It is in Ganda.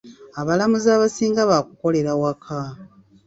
Abalamuzi abasinga baakukolera waka.